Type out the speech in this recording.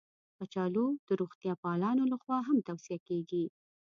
کچالو د روغتیا پالانو لخوا هم توصیه کېږي